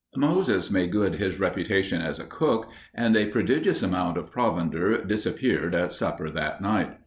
Moses made good his reputation as a cook, and a prodigious amount of provender disappeared at supper that night.